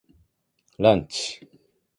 ランチ